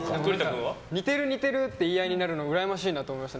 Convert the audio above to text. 似てる、似てるって言い合いになるのうらやましいなと思いました。